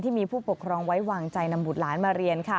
มีผู้ปกครองไว้วางใจนำบุตรหลานมาเรียน